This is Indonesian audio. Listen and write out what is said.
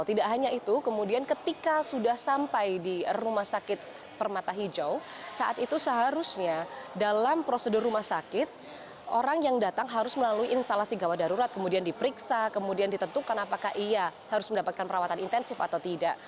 tidak hanya itu kemudian ketika sudah sampai di rumah sakit permata hijau saat itu seharusnya dalam prosedur rumah sakit orang yang datang harus melalui instalasi gawat darurat kemudian diperiksa kemudian ditentukan apakah ia harus mendapatkan perawatan intensif atau tidak